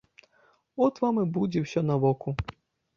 От вам і будзе ўсё на воку.